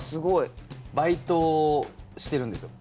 バイトしてるんですよ。